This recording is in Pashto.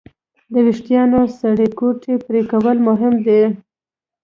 د وېښتیانو سرې ګوتې پرېکول مهم دي.